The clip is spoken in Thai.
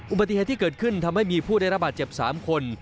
อุบัติเหตุที่เกิดขึ้นทำให้มีผู้ได้รับบาดเจ็บ๓คน